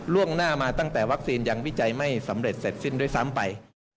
หน้ามาตั้งแต่วัคซีนยังวิจัยไม่สำเร็จเสร็จสิ้นด้วยซ้ำไป